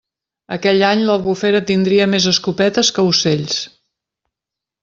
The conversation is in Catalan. Aquell any l'Albufera tindria més escopetes que ocells.